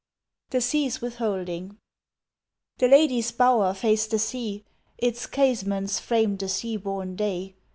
The Sea's Withholding THE ladye's bower faced the sea, Its casements framed a sea born day.